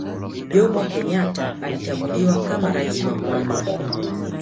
Jomo Kenyatta alichaguliwa kama rais wa kwanza